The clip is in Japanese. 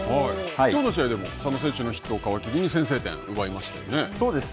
きょうの試合でも佐野選手のヒットを皮切りに先制点奪いました